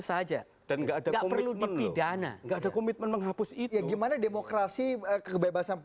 saja dan enggak perlu dipidana enggak ada komitmen menghapus itu ya gimana demokrasi kebebasan